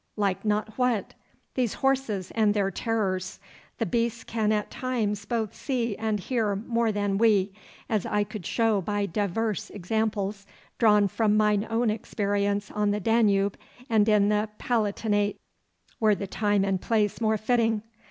'Like not what?' 'These horses and their terrors. The beasts can at times both see and hear more than we, as I could show by divers examples drawn from mine own experience on the Danube and in the Palatinate, were the time and place more fitting.